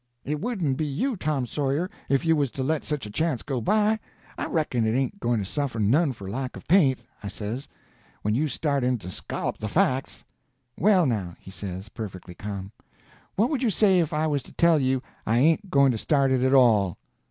It wouldn't be you, Tom Sawyer, if you was to let such a chance go by. I reckon it ain't going to suffer none for lack of paint," I says, "when you start in to scollop the facts." "Well, now," he says, perfectly ca'm, "what would you say if I was to tell you I ain't going to start in at all?"